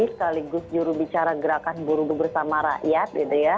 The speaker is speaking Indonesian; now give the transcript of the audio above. sekaligus jurubicara gerakan buruh bersama rakyat